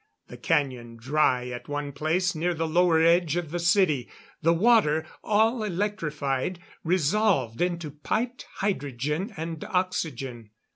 The canyon dry at one place near the lower edge of the city, the water all electrified, resolved into piped hydrogen and oxygen.